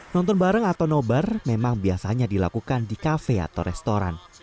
nonton bareng atau nobar memang biasanya dilakukan di kafe atau restoran